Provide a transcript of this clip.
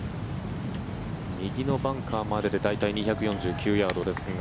右のバンカーまでで大体２９４ヤードですが。